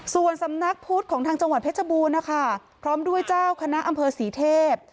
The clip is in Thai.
ส่วนสำนักพุทธของทางจังหวัดเพชรบูรณ์นะคะพร้อมด้วยเจ้าคณะอำเภอศรีเทพ